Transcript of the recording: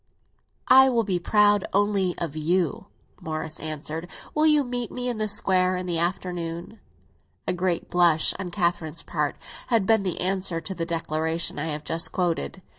"I will be proud only of you," Morris answered. "Will you meet me in the Square in the afternoon?" A great blush on Catherine's part had been the answer to the declaration I have just quoted.